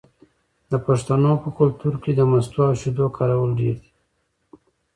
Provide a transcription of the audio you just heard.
د پښتنو په کلتور کې د مستو او شیدو کارول ډیر دي.